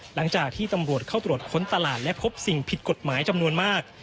หลังจากที่ตำรวจเข้าตรวจค้นตลาดและพบสิ่งผิดกฎหมายจำนวนมาก